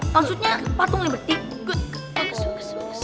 maksudnya patung liberty